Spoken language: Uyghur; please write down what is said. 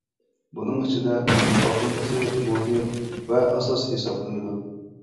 بۇنىڭ ئىچىدە ئالدىنقىسى مۇھىم ۋە ئاساس ھېسابلىنىدۇ.